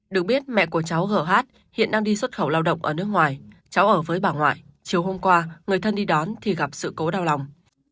được biết mẹ của cháu h hiện đang đi xuất khẩu lao động ở nước ngoài cháu ở với bà ngoại chiều hôm qua người thân đi đón thì gặp sự cố đau lòng